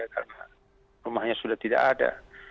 karena rumahnya sudah tidak ada